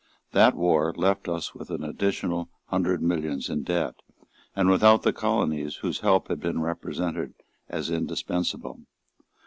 That war left us with an additional hundred millions of debt, and without the colonies whose help had been represented as indispensable.